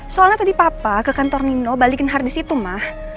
soalnya tadi papa ke kantor nino balikin harddisk itu ma